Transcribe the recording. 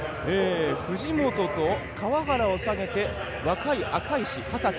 藤本と川原を下げて若い赤石、２０歳。